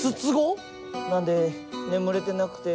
なんで眠れてなくて。